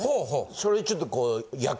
それでちょっとこう。